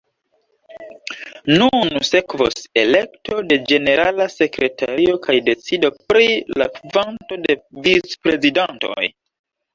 Nun sekvos elekto de ĝenerala sekretario kaj decido pri la kvanto de vicprezidantoj.